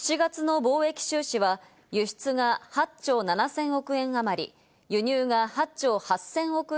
７月の貿易収支は輸出が８兆７０００億円あまり、輸入が８兆８０００億円